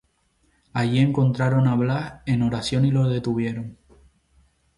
Allí encontraron a Blas en oración y lo detuvieron.